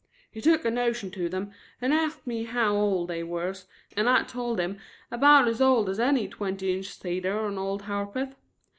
He took a notion to them and ast me how old they was and I told him about as old as any twenty inch cedar on Old Harpeth.